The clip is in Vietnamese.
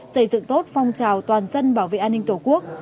xây dựng tốt phong trào toàn dân bảo vệ an ninh tổ quốc